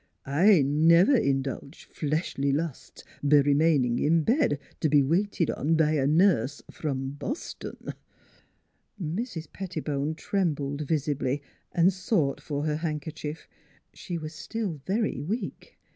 / never indulged fleshly lusts b' remainin' in bed t' be waited on by a nurse from Bos ton." Mrs. Pettibone trembled visibly and sought for her handkerchief. She was still very weak.